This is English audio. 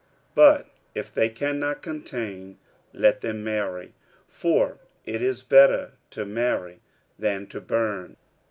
46:007:009 But if they cannot contain, let them marry: for it is better to marry than to burn.